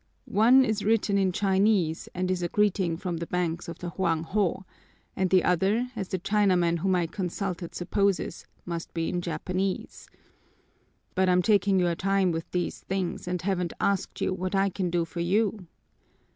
One is written in Chinese and is a greeting from the banks of the Hoang Ho and the other, as the Chinaman whom I consulted supposes, must be in Japanese. But I'm taking your time with these things and haven't asked you what I can do for you."